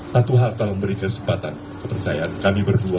satu hal telah memberi kesempatan kepercayaan kami berdua